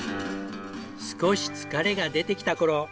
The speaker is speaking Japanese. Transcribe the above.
少し疲れが出てきた頃。